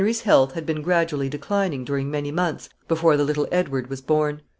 ] Henry's health had been gradually declining during many months before the little Edward was born.